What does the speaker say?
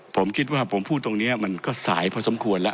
ผมคิดว่าผมพูดตรงนี้มันก็สายพอสมควรแล้ว